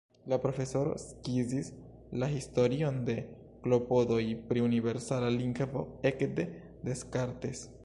La profesoro skizis la historion de klopodoj pri universala lingvo ekde Descartes.